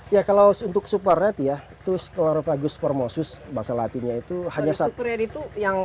ya kalau untuk super red ya tuscalorofagus formosus bahasa latinnya itu hanya satu